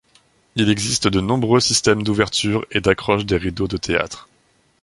Il existe de nombreux systèmes d'ouverture et d'accroche des rideaux de théâtre.